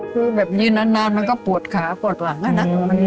คือแบบยืนนานมันก็ปวดขาปวดหลังอะนะ